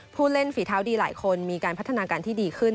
ผู้เล่นฝีเท้าดีหลายคนมีการพัฒนาการที่ดีขึ้น